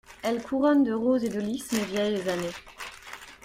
Elle couronne de roses et de lis mes vieilles années.